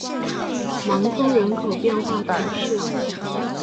芒通人口变化图示